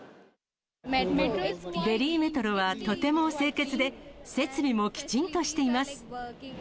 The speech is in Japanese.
デリーメトロはとても清潔で、設備もきちんとしています。